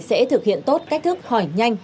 sẽ thực hiện tốt cách thức hỏi nhanh